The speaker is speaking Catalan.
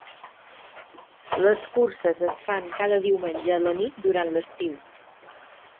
Les curses es fan cada diumenge a la nit durant l'estiu.